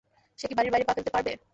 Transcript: সে কি বাড়ির বাইরে পা ফেলতে পারবে?